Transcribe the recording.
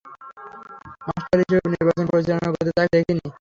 Master হিসেবে নির্বাচন পরিচালনা করতে তাকে দেখিনি।